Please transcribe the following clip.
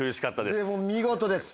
でも見事です。